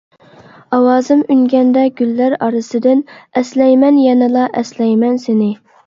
ئاۋازىم ئۈنگەندە گۈللەر ئارىسىدىن، ئەسلەيمەن يەنىلا ئەسلەيمەن سېنى.